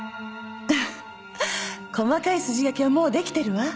細かい筋書きはもうできてるわ。